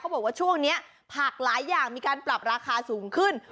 บอกว่าช่วงนี้ผักหลายอย่างมีการปรับราคาสูงขึ้น